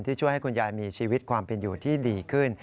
ช่วยให้คุณยายมีชีวิตความเป็นอยู่ที่ดีขึ้น